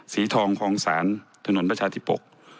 สีทองคองสารถนนประชาธิปกรรม